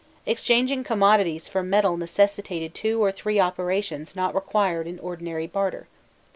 Exchanging commodities for metal necessitated two or three operations not required in ordinary barter.